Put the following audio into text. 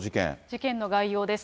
事件の概要です。